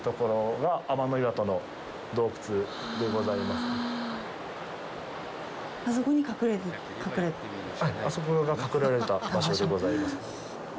はい、あそこが隠れられた場所でございます。